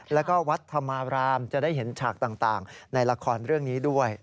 แล้วก็วัดธรรมารามจะได้เห็นฉากต่างในละครเรื่องนี้ด้วย